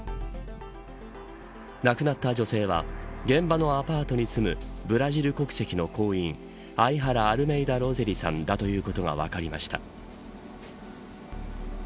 亡くなった女性は現場のアパートに住むブラジル国籍の工員アイハラ・アルメイダ・ロゼリさんだということが分かりました。